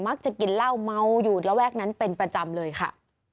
กินเหล้าเมาอยู่ระแวกนั้นเป็นประจำเลยค่ะ